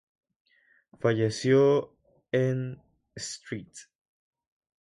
Falleció en St.